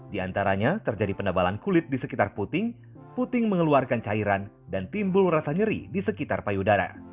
di antaranya terjadi penebalan kulit di sekitar puting puting mengeluarkan cairan dan timbul rasa nyeri di sekitar payudara